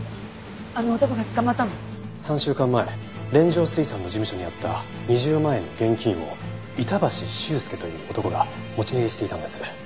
３週間前連城水産の事務所にあった２０万円の現金を板橋秀介という男が持ち逃げしていたんです。